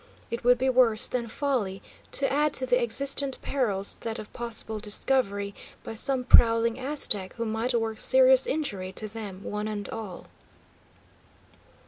It would be worse than folly to add to the existent perils that of possible discovery by some prowling Aztec who might work serious injury to them one and all.